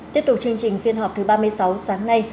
tiếp tục chương trình phiên họp thứ ba mươi sáu sáng nay